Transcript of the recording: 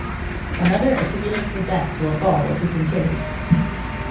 Another attributed her death to a fall while picking cherries.